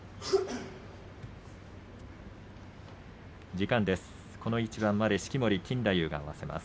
時間です。